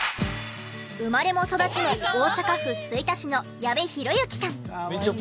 生まれも育ちも大阪府吹田市の矢部浩之さん。